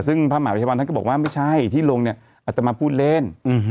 ซึ่งพระมหาภัยวันท่านก็บอกว่าไม่ใช่ที่ลงเนี่ยอาจจะมาพูดเล่น